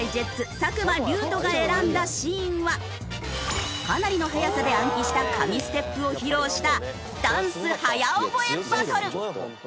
作間龍斗が選んだシーンはかなりの早さで暗記した神ステップを披露したダンス早覚えバトル！